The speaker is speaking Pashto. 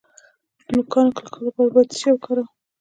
د نوکانو کلکولو لپاره باید څه شی وکاروم؟